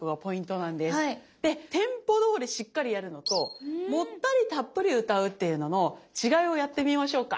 でテンポどおりしっかりやるのともったりたっぷり歌うっていうのの違いをやってみましょうか。